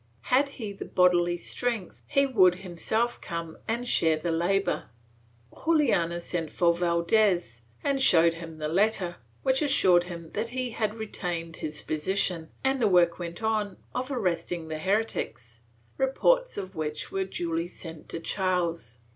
Had he the bodily strength, he would himself come and share the labor. Juana sent for Valdes and showed him the letter, which assured him that he had regained his position, and the work went on of arresting the heretics, reports of which were duly sent to Charles.